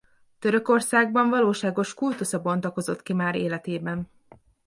Törökországban valóságos kultusza bontakozott ki már életében.